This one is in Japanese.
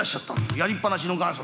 やりっぱなしの元祖。